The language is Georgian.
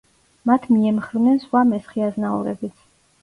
მათ მიემხრნენ სხვა მესხი აზნაურებიც.